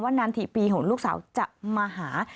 นานทีปีของลูกสาวจะมาหา